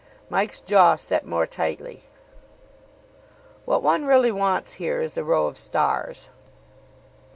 Mike's jaw set more tightly. What one really wants here is a row of stars.